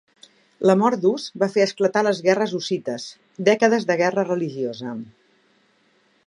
La morts d'Hus va fer esclatar les guerres hussites, dècades de guerra religiosa.